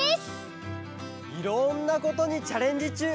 いろんなことにチャレンジちゅう！